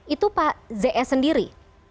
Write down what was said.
itu pak zs sendiri